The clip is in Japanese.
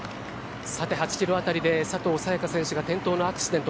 ８キロ辺りで佐藤早也伽選手が転倒のアクシデント。